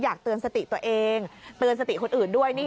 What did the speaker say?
เตือนสติตัวเองเตือนสติคนอื่นด้วยนี่